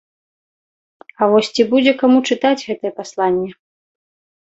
А вось ці будзе каму чытаць гэтае пасланне?